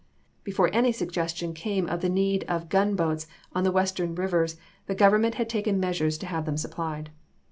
Before any suggestion came of the need of gun boats on the Western rivers the Grovernment had taken measures to have them supplied.